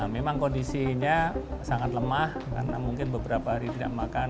memang kondisinya sangat lemah karena mungkin beberapa hari tidak makan